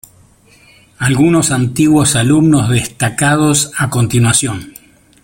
Algunos antiguos alumnos destacados a continuación.